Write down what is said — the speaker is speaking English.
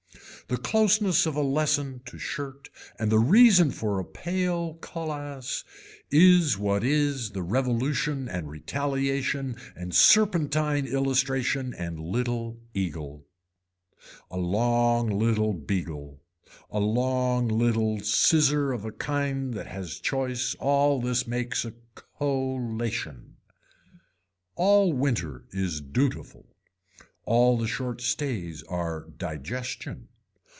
The closeness of a lesson to shirt and the reason for a pale cullass is what is the revolution and retaliation and serpentine illustration and little eagle. A long little beagle, a long little scissor of a kind that has choice all this makes a collation. All winter is dutiful. All the short stays are digestion.